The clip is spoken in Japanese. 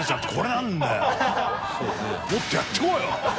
もっとやってこうよ！